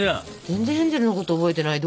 全然ヘンゼルのこと覚えてない。